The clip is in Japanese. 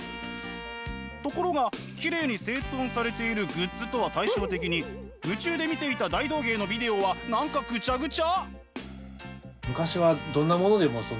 ところがきれいに整頓されているグッズとは対照的に夢中で見ていた大道芸のビデオは何かグチャグチャ！